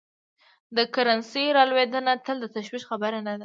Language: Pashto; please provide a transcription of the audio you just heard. د کرنسۍ رالوېدنه تل د تشویش خبره نه ده.